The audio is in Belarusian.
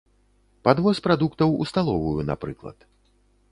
Падвоз прадуктаў у сталовую, напрыклад.